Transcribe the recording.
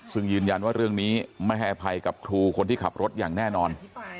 ซึ่งยืนยันว่าเรื่องนี้ไม่ให้อภัยกับครูคนที่ขับรถอย่างแน่นอน